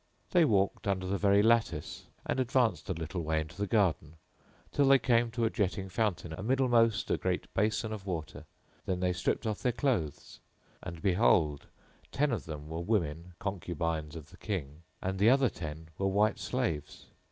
They walked under the very lattice and advanced a little way into the garden till they came to a jetting fountain amiddlemost a great basin of water; then they stripped off their clothes and behold, ten of them were women, concubines of the King, and the other ten were white slaves.